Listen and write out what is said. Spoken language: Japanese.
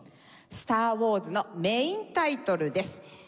『スター・ウォーズ』のメインタイトルです。